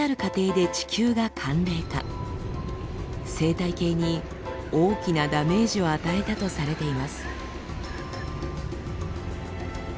生態系に大きなダメージを与えたとされています。